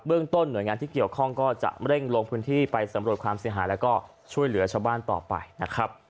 ต้นหน่วยงานที่เกี่ยวข้องก็จะเร่งลงพื้นที่ไปสำรวจความเสียหายแล้วก็ช่วยเหลือชาวบ้านต่อไปนะครับ